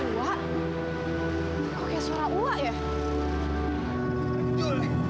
tidak tahu kamu dengan suara gulakan ku